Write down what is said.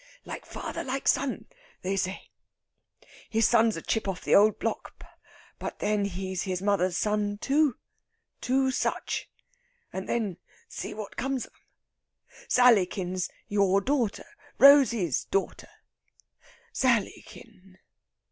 Like father like son, they say. His son's a chip of the old block. But then he's his mother's son, too. Two such! and then see what comes of 'em. Sallykin's your daughter ... Rosey's daughter. Sallykin...."